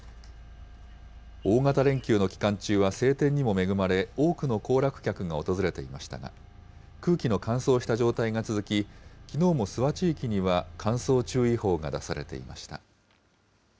大型連休の期間中は晴天にも恵まれ、多くの行楽客が訪れていましたが、空気の乾燥した状態が続き、きのうも諏訪地域には乾燥注意報が出されていました。